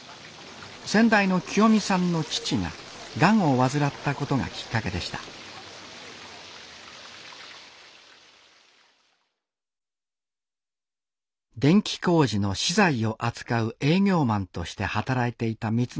先代のきよ美さんの父ががんを患ったことがきっかけでした電気工事の資材を扱う営業マンとして働いていた光則さんは一念発起。